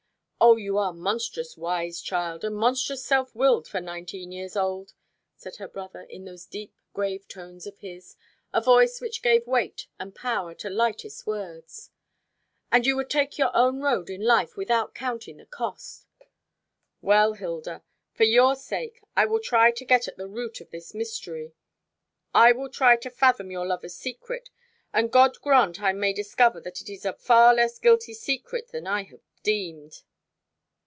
"O, you are monstrous wise, child, and monstrous self willed for nineteen years old," said her brother, in those deep grave tones of his, a voice which gave weight and power to lightest words, "and you would take your own road in life without counting the cost. Well, Hilda, for your sake I will try to get at the root of this mystery. I will try to fathom your lover's secret; and God grant I may discover that it is a far less guilty secret than I have deemed."